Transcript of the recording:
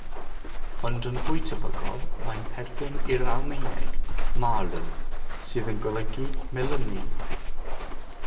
Ond yn fwy tebygol mae'n perthyn i;r Almaeneg "mahlen" sydd yn golygu "melynu".